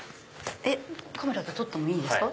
カメラで撮ってもいいですか？